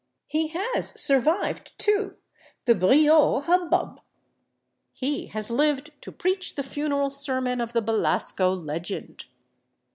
He has survived, too, the Brieux hubbub. He has lived to preach the funeral sermon of the Belasco legend.